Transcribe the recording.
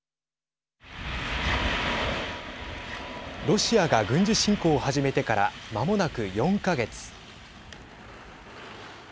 ロシアが軍事侵攻を始めてからまもなく４か月。